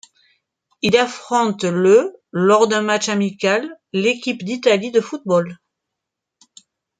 Il affronte le lors d'un match amical l'équipe d'Italie de football.